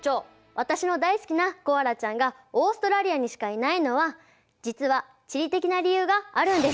私の大好きなコアラちゃんがオーストラリアにしかいないのは実は地理的な理由があるんです。